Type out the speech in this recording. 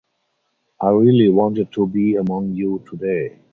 I really wanted to be among you today.